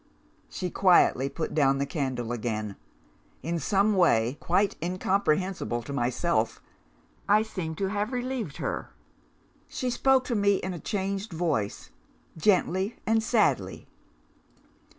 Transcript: "She quietly put down the candle again. In some way, quite incomprehensible to myself, I seemed to have relieved her. She spoke to me in a changed voice, gently and sadly.